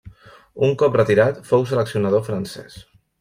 Un cop retirat fou seleccionador francès.